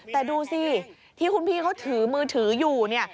แต่ดูสิที่คุณพี่เขาถือมือถืออยู่เนี่ย